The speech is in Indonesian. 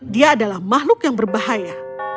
dia adalah makhluk yang berbahaya